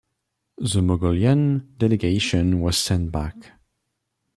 The Mogolian delegation was sent back.